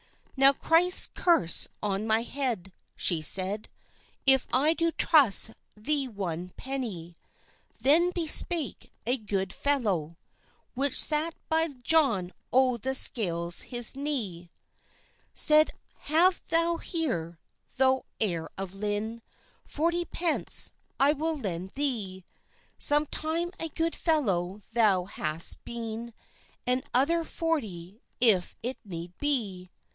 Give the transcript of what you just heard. "Now Christ's curse on my head," she said, "If I do trust thee one pennye," Then bespake a good fellowe, Which sate by John o' the Scales his knee, Said "have thou here, thou heire of Lynne, Forty pence I will lend thee,— Some time a good fellow thou hast beene And other forty if it need bee."